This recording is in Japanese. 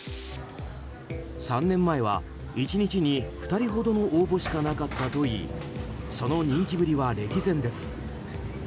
３年前は１日に２人ほどの応募しかなかったといいその人気ぶりは歴然です。